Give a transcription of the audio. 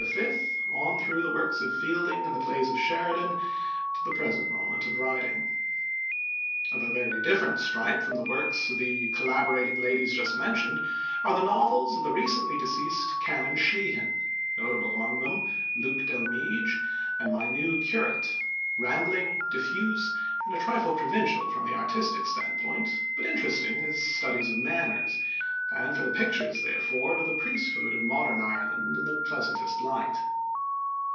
_, on through the works of Fielding and the plays of Sheridan, to the present moment of writing. Of a very different stripe from the work of the collaborating ladies just mentioned are the novels of the recently deceased Canon Sheehan notable among them Luke Delmege and My New Curate rambling, diffuse, and a trifle provincial from the artistic standpoint, but interesting as studies of manners, and for the pictures they afford of the priesthood of modern Ireland in the pleasantest light.